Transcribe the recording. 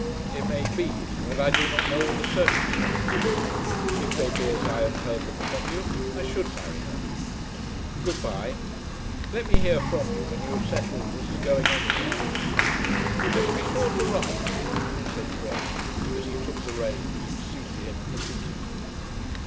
"It may be that I do not know all the circumstances. If they be as I have heard them from you, I should marry her. Good bye. Let me hear from you, when you have settled as to going anywhere." "I shall be sure to write," said Fred as he took the reins and seated him in the phaeton.